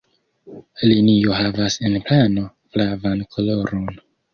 Linio havas en plano flavan koloron.